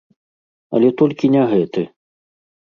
Але толькі не гэты!